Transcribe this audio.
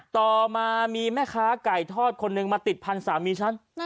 ต่อมามีแม่ค้าไก่ทอดคนหนึ่งมาติดพันธุ์สามีฉัน